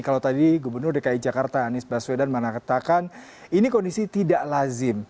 kalau tadi gubernur dki jakarta anies baswedan mengatakan ini kondisi tidak lazim